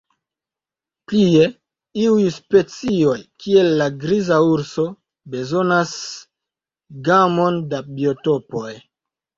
Plie, iuj specioj, kiel la griza urso, bezonas gamon da biotopoj.